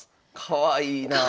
かわいいなあ。